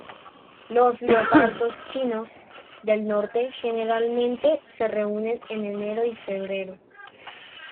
Los leopardos chinos del Norte generalmente se reúnen en enero y febrero.